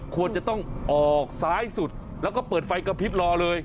ควรจะต้องออกซ้ายสุดแล้วก็เปิดไฟกระพริบรอเลย